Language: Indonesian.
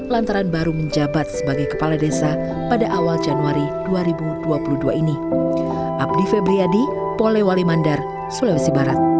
lantaran baru menjabat sebagai kepala desa pada awal januari dua ribu dua puluh dua ini